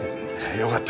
よかった。